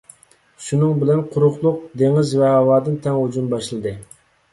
شۇنىڭ بىلەن، قۇرۇقلۇق، دېڭىز ۋە ھاۋادىن تەڭ ھۇجۇم باشلىدى.